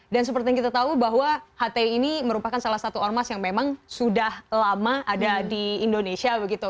dan seperti yang kita tahu bahwa ht ini merupakan salah satu ormas yang memang sudah lama ada di indonesia begitu